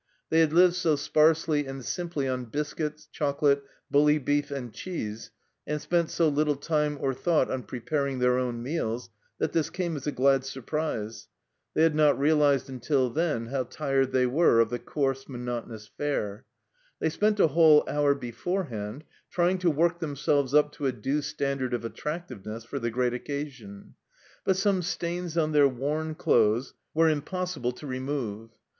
They had lived so sparsely and simply on biscuits, chocolate, bully beef, and cheese, and spent so little time or thought on preparing their own meals, that this came as a glad surprise. They had not realized until then how tired they were of the coarse, 156 THE CELLAR HOUSE OF PERVYSE monotonous fare. They spent a whole hour beforehand trying to work themselves up to a due standard of attractiveness for the great occasion ; but some stains on their worn clothes were impossible to remove.